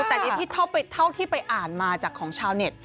แต่นี่ที่เท่าที่ไปอ่านมาจากของชาวเน็ต